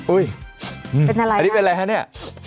อุ๊ยอันนี้เป็นอะไรฮะนี่